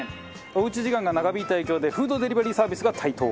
おうち時間が長引いた影響でフードデリバリーサービスが台頭。